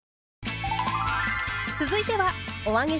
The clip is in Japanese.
続いては油揚げ。